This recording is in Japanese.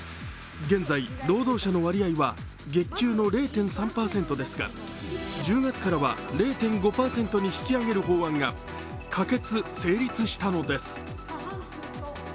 現在、労働者の割合は月給の０．３％ですが１０月からは０．５％に引き上げる法案が可決・成立したのです。